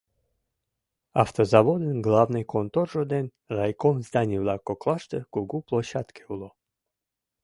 Автозаводын главный конторжо ден райком зданий-влак коклаште кугу площадке уло.